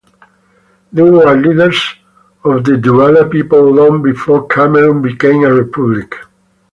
They were leaders of the Duala people long before Cameroon became a republic.